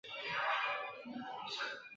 形成连任阻力。